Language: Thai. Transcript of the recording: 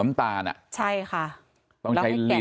แล้วถ้าคุณชุวิตไม่ออกมาเป็นเรื่องกลุ่มมาเฟียร์จีน